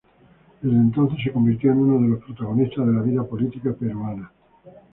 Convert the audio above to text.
Desde entonces se convirtió en uno de los protagonistas de la vida política peruana.